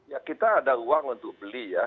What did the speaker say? ya kita ada uang untuk beli ya